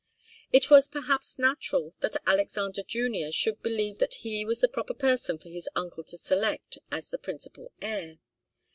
It was perhaps natural that Alexander Junior should believe that he was the proper person for his uncle to select as the principal heir.